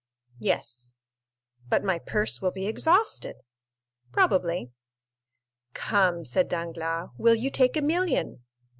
"Yes." "But my purse will be exhausted." "Probably." "Come," said Danglars, "will you take a million?"